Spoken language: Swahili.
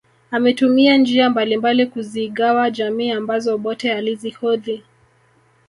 Ametumia njia mbalimbali kuzigawa jamii ambazo Obote alizihodhi